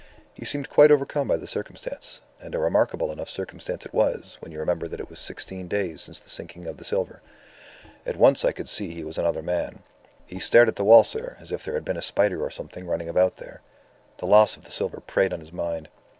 He seemed quite overcome by the circumstance. And a remarkable enough circumstance it was, when you remember that it was then sixteen days since the sinking of the silver. At once I could see he was another man. He stared at the wall, sir, as if there had been a spider or something running about there. The loss of the silver preyed on his mind.